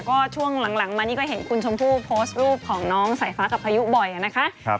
ก็ช่วงหลังมานี่ก็เห็นคุณชมพู่โพสต์รูปของน้องสายฟ้ากับพายุบ่อยนะคะ